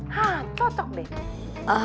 hah cocok deh